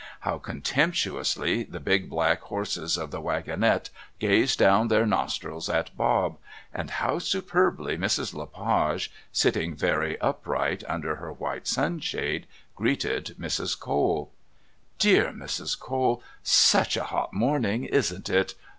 How contemptuously the big black horses of the wagonette gazed down their nostrils at Bob, and how superbly Mrs. Le Page, sitting very upright under her white sunshade, greeted Mrs. Cole! "Dear Mrs. Cole. Such a hot morning, isn't it?